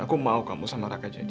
dan aku mau kamu sama raka jadian